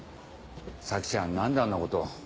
咲ちゃん何であんなこと。